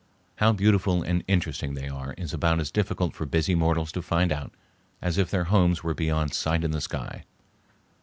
How beautiful and interesting they are is about as difficult for busy mortals to find out as if their homes were beyond sight in the sky.